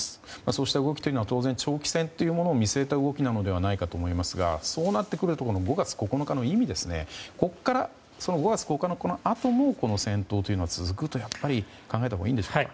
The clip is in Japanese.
そうした動きは当然、長期戦というのを見据えた動きだと思いますがそうなってくると５月９日の意味５月９日のあともこの戦闘は続くと考えたほうがいいのでしょうか。